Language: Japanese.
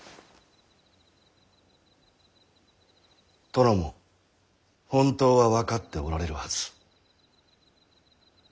殿も本当は分かっておられるはず。